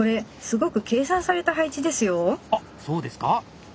あっそうですか？